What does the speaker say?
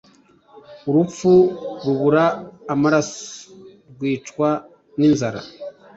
urupfu rubura amaraso, rwicwa n'inzara.